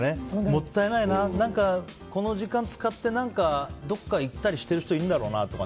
もったいないな、何かこの時間を使ってどこか行ったりしてる人もいるんだろうなとか。